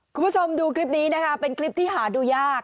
คุณผู้ชมดูคลิปนี้นะคะเป็นคลิปที่หาดูยาก